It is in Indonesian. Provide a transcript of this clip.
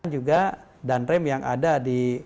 juga danrem yang ada di